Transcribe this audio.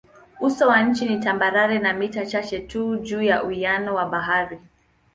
Uso wa nchi ni tambarare na mita chache tu juu ya uwiano wa bahari.